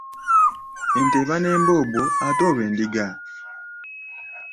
Ente eba n’emboobo ate olwo endiga?